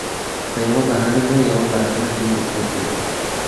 پـه يـوه بهـانـه نـه يـوه بهـانـه دوي پـه کـور کېـنول.